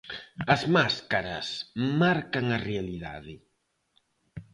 As máscaras marcan a realidade.